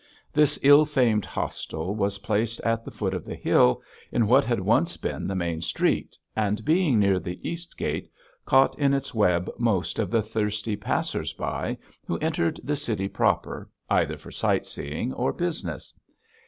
This ill famed hostel was placed at the foot of the hill, in what had once been the main street, and being near the Eastgate, caught in its web most of the thirsty passers by who entered the city proper, either for sight seeing or business.